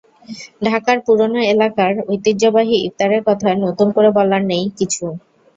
ঢাকার পুরোনো এলাকার ঐতিহ্যবাহী ইফতারের কথা নতুন করে বলার নেই কিছু।